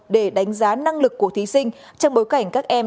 để đánh giá năng lực của thí sinh trong bối cảnh các em